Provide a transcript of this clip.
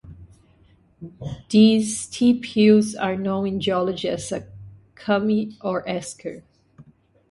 These steep hills are known in geology as a kame or esker.